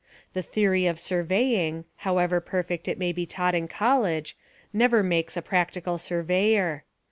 The theory of surveying, however perfect it may be taught in college, never makes a practical surveyor.